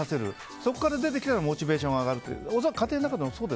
そこから出てきたらモチベーションが上がるという。